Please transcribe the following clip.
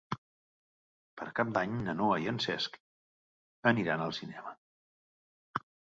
Per Cap d'Any na Noa i en Cesc iran al cinema.